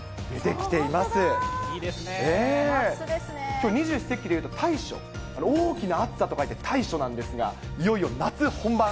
きょう、二十四節気でいうと大暑、大きな暑さと書いて、大暑なんですが、いよいよ夏本番。